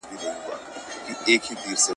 تر څو حکمونه له حُجرې وي